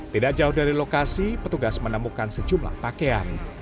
tidak jauh dari lokasi petugas menemukan sejumlah pakaian